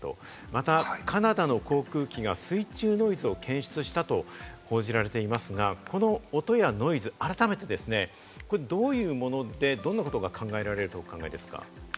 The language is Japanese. またカナダの航空機が水中ノイズを検出したと報じられていますが、この音やノイズ、改めてどういうもので、どんなことが考えられるとお考えですか？